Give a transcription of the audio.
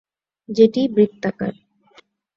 যেটি বৃত্তাকার।